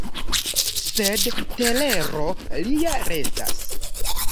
Sed telero lia restas.